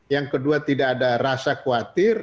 yang kedua tidak ada rasa khawatir